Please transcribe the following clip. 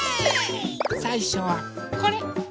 さいしょはこれ。